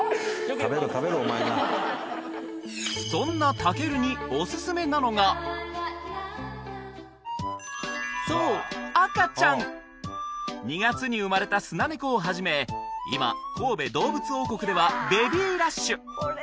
食べろ食べろお前がそんなたけるにオススメなのがそう赤ちゃん２月に生まれたスナネコをはじめ今神戸どうぶつ王国ではベビーラッシュ！